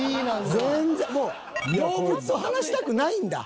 もう動物と話したくないんだ。